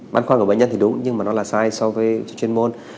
bán khoan của bệnh nhân thì đúng nhưng mà nó là sai so với chuyên môn